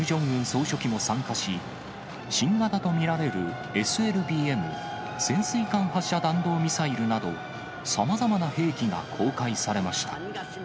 総書記も参加し、新型と見られるＳＬＢＭ・潜水艦発射弾道ミサイルなどさまざまな兵器が公開されました。